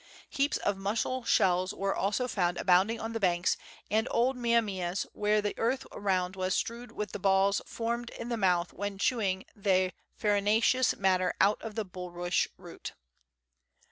Heaps of muscle shells were also found abounding on the banks, and old mia mias where the earth around was strewed with the balls formed in the mouth when chewing the farinaceous matter out of the bulrush root.